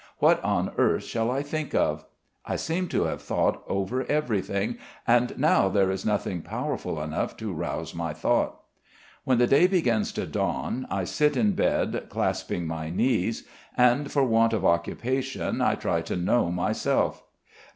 What on earth shall I think of? I seem to have thought over everything, and now there is nothing powerful enough to rouse my thought. When the day begins to dawn, I sit in bed clasping my knees and, for want of occupation I try to know myself.